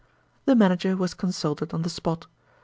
The manager was consulted on the spot.